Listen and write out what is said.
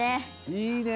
「いいね！」